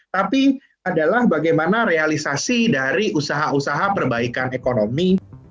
tapi adalah bagaimana realisasi dari usaha usaha perbaikan ekonomi